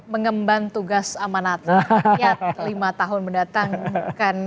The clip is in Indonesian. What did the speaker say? mengemban tugas amanat lima tahun mendatang kan